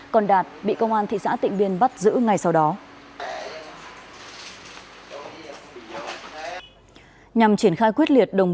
còn đạt bị công an thị xã tịnh biên bắt giữ ngay sau đó